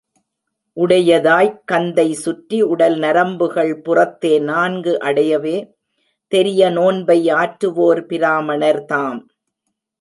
உடையதாய்க் கந்தை சுற்றி, உடல்நரம் புகள்பு றத்தே நான்கு அடையவே தெரிய நோன்பை ஆற்றுவோர் பிராம ணர்தாம்.